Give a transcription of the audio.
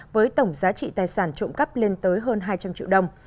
với tổng giá trị tài sản trộm cắp lên tới hơn hai trăm linh triệu đồng